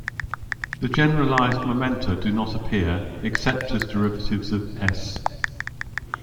The generalized momenta do not appear, except as derivatives of "S".